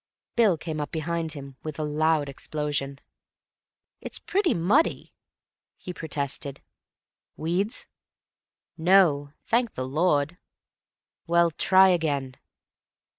Bill came up behind him with a loud explosion. "It's pretty muddy," he protested. "Weeds?" "No, thank the Lord." "Well, try again."